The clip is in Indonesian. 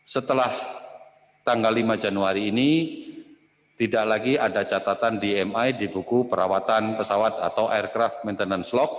setelah tanggal lima januari ini tidak lagi ada catatan dmi di buku perawatan pesawat atau aircraft maintenance log